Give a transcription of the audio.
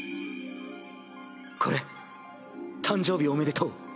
これ誕生日おめでとう。